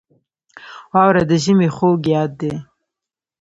• واوره د ژمي خوږ یاد دی.